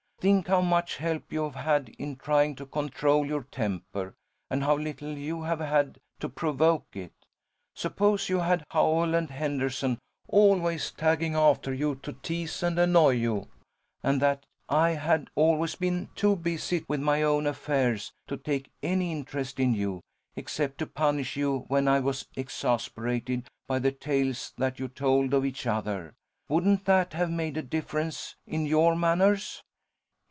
Think how much help you have had in trying to control your temper, and how little you have had to provoke it. Suppose you had Howell and Henderson always tagging after you to tease and annoy you, and that I had always been too busy with my own affairs to take any interest in you, except to punish you when I was exasperated by the tales that you told of each other. Wouldn't that have made a difference in your manners?"